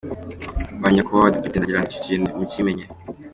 Ba Nyakubahawa Badepite, ndagira ngo icyo kintu mukimenye.